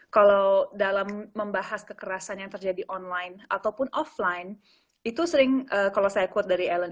kalau dalam membahas kekerasan yang terjadi online ataupun offline itu sering kalau saya quote dari esland